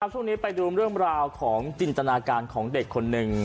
ช่วงนี้ไปดูเรื่องราวของจินตนาการของเด็กคนหนึ่ง